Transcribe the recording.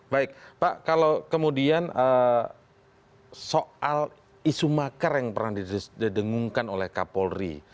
baik pak kalau kemudian soal isu makar yang pernah didengungkan oleh kapolri